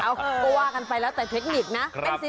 เอ้ากลัวกันไปแล้วแต่เทคนิคนะ